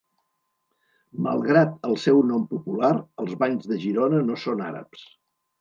Malgrat el seu nom popular, els banys de Girona no són àrabs.